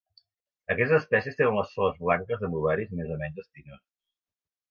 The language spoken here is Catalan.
Aquestes espècies tenen les flors blanques amb ovaris més o menys espinosos.